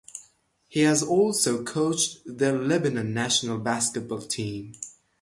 He has also coached the Lebanon national basketball team.